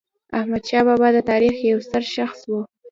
احمدشاه بابا د تاریخ یو ستر شخص و.